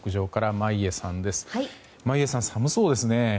眞家さん、寒そうですね。